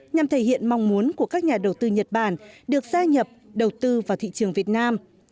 nhằm thể hiện mong muốn của các nhà đầu tư nhật bản được gia nhập đầu tư vào thị trường việt nam